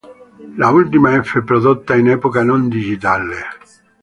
È l'ultima F prodotta in epoca 'non digitale'.